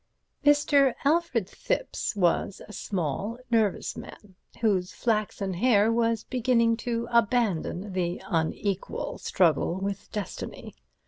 Mr. Alfred Thipps was a small, nervous man, whose flaxen hair was beginning to abandon the unequal struggle with destiny.